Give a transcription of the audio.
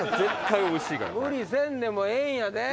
無理せんでもええんやで。